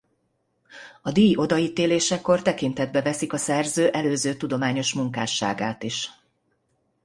A díj odaítélésekor tekintetbe veszik a szerző előző tudományos munkásságát is.